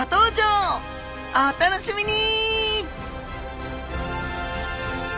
お楽しみに！